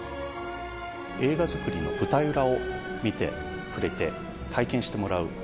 映画作りの舞台裏を見て、触れて、体験してもらう。